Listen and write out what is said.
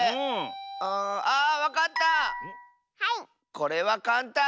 これはかんたん！